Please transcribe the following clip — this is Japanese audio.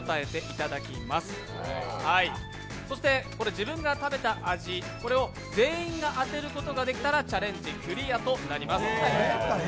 自分が食べた味を全員が当てることができたらチャレンジクリアとなります。